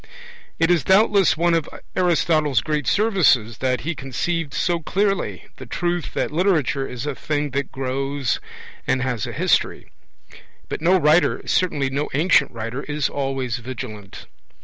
It is doubtless one of Aristotle's great services that he conceived so clearly the truth that literature is a thing that grows and has a history. But no writer, certainly no ancient writer, is always vigilant.